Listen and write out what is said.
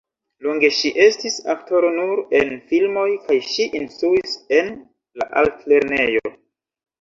Longe ŝi estis aktoro nur en filmoj kaj ŝi instruis en la altlernejo.